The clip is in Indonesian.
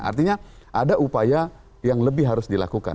artinya ada upaya yang lebih harus dilakukan